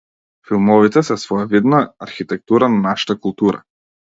Филмовите се своевидна архитектура на нашата култура.